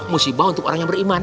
musibah untuk orang yang beriman